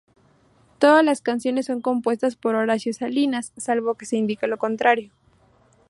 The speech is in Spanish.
Todas las canciones son compuestas por Horacio Salinas, salvo que se indique lo contrario.